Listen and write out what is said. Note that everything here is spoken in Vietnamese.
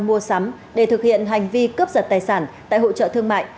mua sắm để thực hiện hành vi cướp giật tài sản tại hỗ trợ thương mại